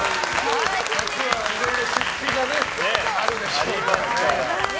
夏はいろいろ出費があるでしょうから。